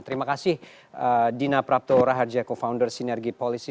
terima kasih dina prapto raharja co founder sinergi polisi